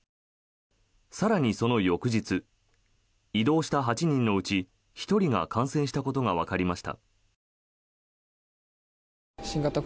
更にその翌日移動した８人のうち１人が感染したことがわかりました。